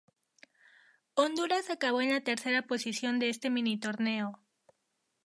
Honduras acabó en la tercera posición de este mini-torneo.